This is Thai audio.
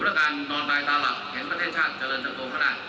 ผมต้องการนอนตายตาหลับเห็นประเทศชาติเจริญจัดโตขนาด